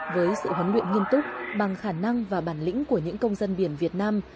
với sự huấn luyện nghiêm túc bằng khả năng và bản lĩnh của những công dân biển việt nam